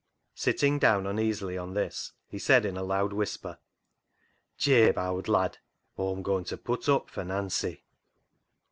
Sitting down uneasily on this he said in a loud whisper — "Jabe, owd lad, Aw'm goin' to put up for Nancy."